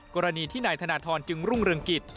กรณีที่นายธนทรจึงรุ่งเรืองกิจ